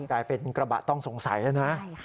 กลายเป็นกระบะต้องสงสัยแล้วนะ